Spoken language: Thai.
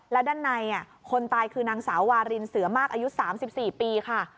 แล้วด้านในคนตายคือนางสาววารินเสือมากอายุ๓๔ปีค่ะ